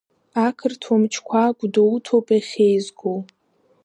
Ақырҭуа мчқәа Гәдоуҭоуп иахьеизгоу.